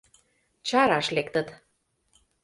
Чараш лектыт.